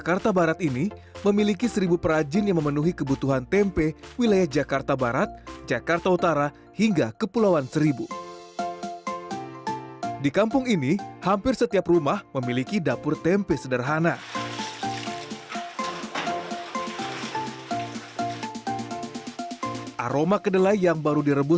aroma kedelai yang baru direbus merebak di rumah roya